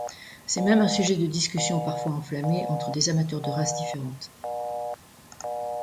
C’est même un sujet de discussion parfois enflammée entre des amateurs de races différentes.